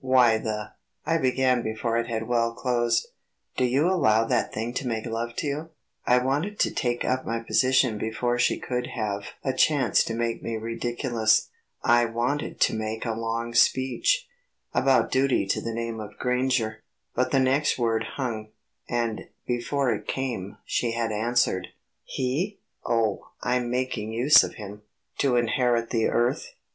"Why the ..." I began before it had well closed, "do you allow that thing to make love to you?" I wanted to take up my position before she could have a chance to make me ridiculous. I wanted to make a long speech about duty to the name of Granger. But the next word hung, and, before it came, she had answered: "He? Oh, I'm making use of him." "To inherit the earth?"